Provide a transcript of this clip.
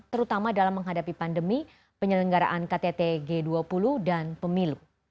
terutama dalam menghadapi pandemi penyelenggaraan ktt g dua puluh dan pemilu